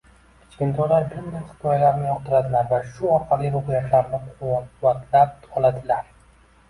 Kichkintoylar bunday hikoyalarni yoqtiradilar va shu orqali ruhiyatlarini quvvatlab oladilar.